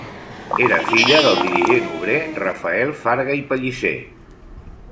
Era filla del dirigent obrer Rafael Farga i Pellicer.